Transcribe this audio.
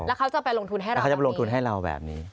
แล้วเขาจะไปลงทุนให้เราแบบนี้